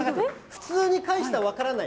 普通に返したら分からない。